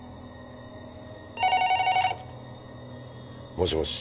もしもし。